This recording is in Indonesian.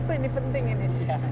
ini penting ini